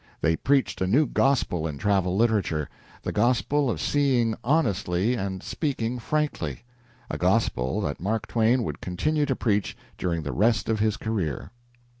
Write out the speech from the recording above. They preached a new gospel in travel literature the gospel of seeing honestly and speaking frankly a gospel that Mark Twain would continue to preach during the rest of his career.